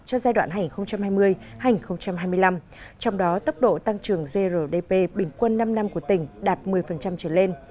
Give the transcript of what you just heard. cho giai đoạn hành hai mươi hai nghìn hai mươi năm trong đó tốc độ tăng trưởng grdp bình quân năm năm của tỉnh đạt một mươi trở lên